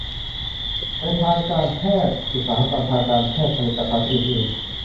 ในทางการแพทย์ อุตสาหกรรมทางการแพทย์ ผลิตภัณฑ์อื่นอื่น